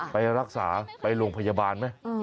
ไปรักษาไปโรงพยาบาลไหม